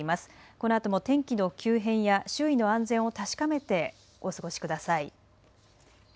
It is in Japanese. このあとも天気の急変や周囲の安全を確かめてお過ごしください。